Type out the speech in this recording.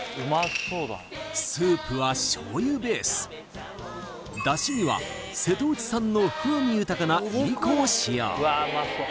スープは出汁には瀬戸内産の風味豊かないりこを使用